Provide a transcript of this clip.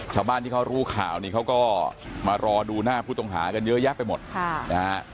ชาวบ้านที่เขารู้ข่าวนี่เขาก็มารอดูหน้าผู้ต้องหากันเยอะแยะไปหมดนะฮะ